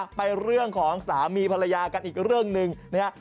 ไปเรื่องของสามีภรรยากันอีกเรื่องหนึ่งนะฮะ